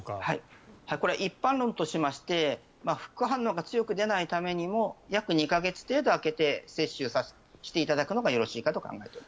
一般論としまして副反応が強く出ないためにも約２か月程度空けて接種していただくことがよろしいかと思います。